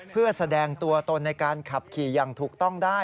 เพื่อแสดงตัวตนในการขับขี่อย่างถูกต้องได้